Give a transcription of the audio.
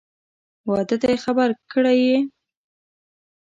واده ته یې خبر کړی یې؟